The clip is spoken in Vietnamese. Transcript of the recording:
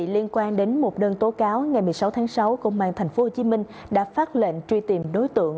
liên quan đến một đơn tố cáo ngày một mươi sáu tháng sáu công an tp hcm đã phát lệnh truy tìm đối tượng